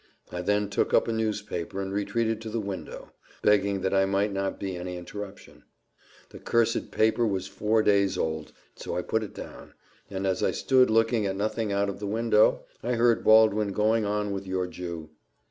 I then took up a newspaper and retreated to the window, begging that I might not be any interruption. The cursed paper was four days old, so I put it down; and as I stood looking at nothing out of the window, I heard Baldwin going on with your Jew.